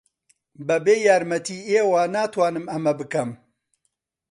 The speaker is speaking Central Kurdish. بەبێ یارمەتیی ئێوە ناتوانم ئەمە بکەم.